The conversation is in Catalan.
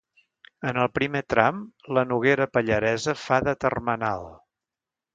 En el primer tram, la Noguera Pallaresa fa de termenal.